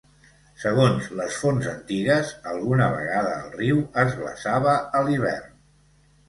Segons les fonts antigues, alguna vegada el riu es glaçava a l'hivern.